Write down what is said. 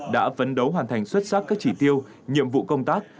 đã phấn đấu hoàn thành xuất sắc các chỉ tiêu nhiệm vụ công tác